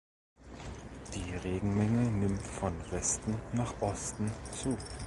Die Regenmenge nimmt von Westen nach Osten zu.